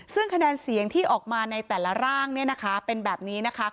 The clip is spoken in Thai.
ซึ่งคะแนนเสียงที่ออกมาในแต่ละร่างเนี่ยนะคะเป็นแบบนี้นะคะ